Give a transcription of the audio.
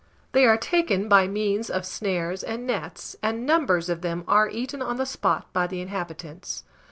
They are taken by means of snares and nets, and numbers of them are eaten on the spot by the inhabitants.